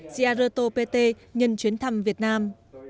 giardoto pt nhân chuyến thăm việt nam